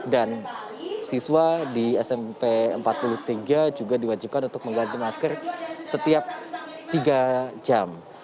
dan siswa di smp empat puluh tiga juga diwajibkan untuk mengganti masker setiap tiga jam